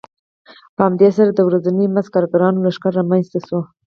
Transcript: په همدې سره د ورځني مزد کارګرانو لښکر رامنځته شو